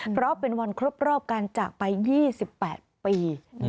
เพราะเป็นวันครบรอบการจากไป๒๘ปี